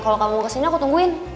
kalau kamu mau kesini aku tungguin